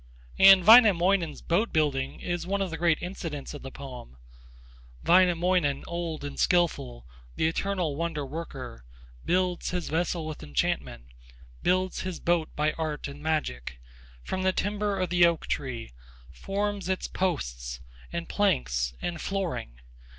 And Wainamoinen's boat building is one of the great incidents of the poem: Wainamoinen old and skilful, The eternal wonder worker, Builds his vessel with enchantment, Builds his boat by art and magic, From the timber of the oak tree, Forms its posts and planks and flooring.